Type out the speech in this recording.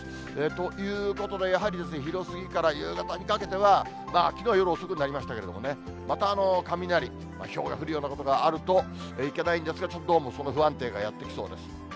ということで、やはり昼過ぎから夕方にかけては、きのうは夜遅くなりましたけれどもね、また雷、ひょうが降るようなことがあるといけないんですが、ちょっとその不安定がやってきそうです。